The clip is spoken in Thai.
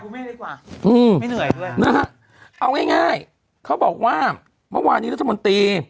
ไม่เหนื่อยด้วยนะฮะเอาง่ายเค้าบอกว่าเมื่อวานนี้รัฐบนตรี